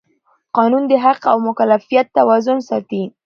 قانون د حق او مکلفیت توازن ساتي.